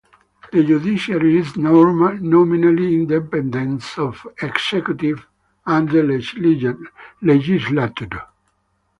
The Judiciary is nominally independent of the executive and the legislature.